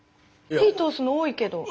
火通すの多いけど。